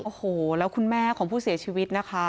โอ้โหแล้วคุณแม่ของผู้เสียชีวิตนะคะ